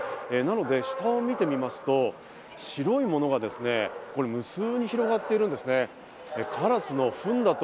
なので下を見てみますと、白いものが無数に広がっているんですね。